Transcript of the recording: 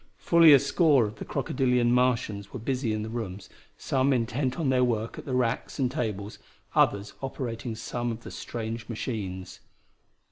Fully a score of the crocodilian Martians were busy in the room, some intent on their work at the racks and tables, others operating some of the strange machines.